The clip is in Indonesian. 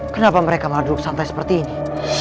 kenapa mereka malah duduk santai seperti ini